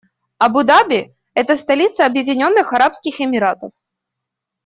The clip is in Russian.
Абу-Даби - это столица Объединённых Арабских Эмиратов.